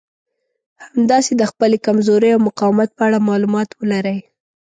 همداسې د خپلې کمزورۍ او مقاومت په اړه مالومات ولرئ.